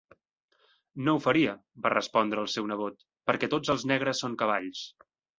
No ho faria, va respondre el seu nebot, perquè tots els negres són cavalls.